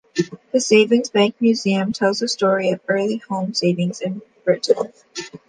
The Savings Bank Museum tells the story of early home savings in Britain.